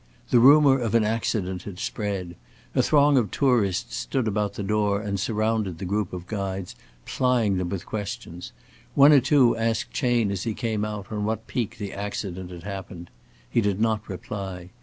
The rumor of an accident had spread. A throng of tourists stood about the door and surrounded the group of guides, plying them with questions. One or two asked Chayne as he came out on what peak the accident had happened. He did not reply.